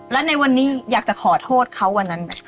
และในวันนี้อยากจะขอโทษเขาวันนั้นไหม